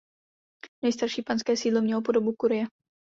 Nejstarší panské sídlo mělo podobu kurie.